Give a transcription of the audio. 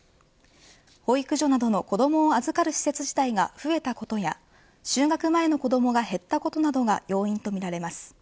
保育所などの子どもを預かる施設自体が増えたことや就学前の子どもが減ったことなどが要因とみられます。